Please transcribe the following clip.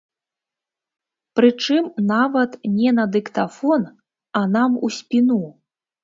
Прычым, нават не на дыктафон, а нам у спіну.